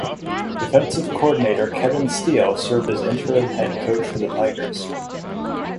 Defensive coordinator Kevin Steele served as interim head coach for the Tigers.